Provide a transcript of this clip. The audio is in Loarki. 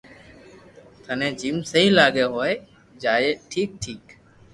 ٿني جيم سھي لاگي ھوئي جائي ٺيڪ ٺيڪ